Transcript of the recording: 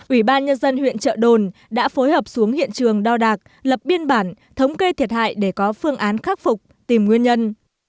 ủy ban nhân dân huyện trợ đồn đã phối hợp xuống hiện trường đo đạc lập biên bản thống kê thiệt hại để có phương án khắc phục tìm nguyên nhân